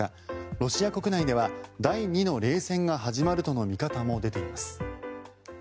ロシア国内では第２の冷戦が始まるとの見方も出ています。